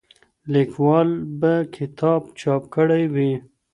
لیکوال به کتاب چاپ کړی وي.